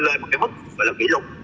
lên một mức kỷ lục